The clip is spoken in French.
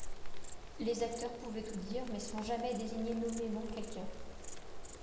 Les acteurs pouvaient tout dire mais sans jamais désigner nommément quelqu’un.